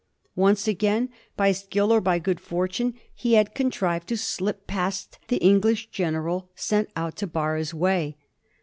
Once again, by skill or by good fortune, he had contrived to slip past the English general sent out to bar his way.